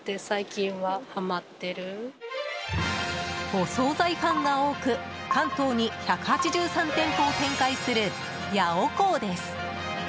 お総菜ファンが多く関東に１８３店舗を展開するヤオコーです。